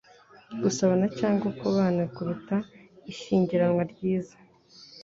gusabana cyangwa kubana kuruta ishyingiranwa ryiza.”